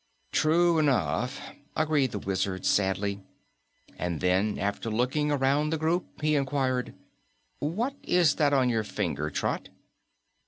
"True enough," agreed the Wizard sadly. And then, after looking around the group, he inquired, "What is that on your finger, Trot?"